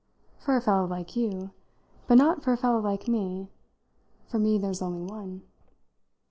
"For a fellow like you. But not for a fellow like me. For me there's only one."